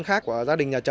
thì số tiền này là